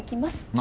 何？